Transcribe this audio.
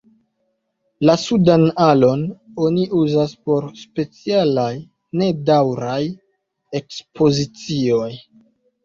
La sudan alon oni uzas por specialaj, nedaŭraj ekspozicioj.